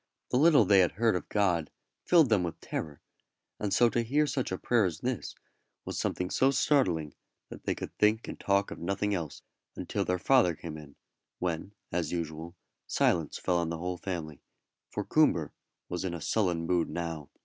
The little they had heard of God filled them with terror, and so to hear such a prayer as this was something so startling that they could think and talk of nothing else until their father came in, when, as usual, silence fell on the whole family, for Coomber was in a sullen mood now.